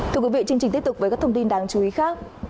thưa quý vị chương trình tiếp tục với các thông tin đáng chú ý khác